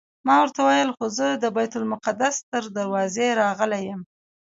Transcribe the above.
ما ورته وویل خو زه د بیت المقدس تر دروازې راغلی یم.